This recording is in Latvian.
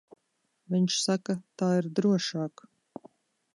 Viņš saka, tā ir drošāk.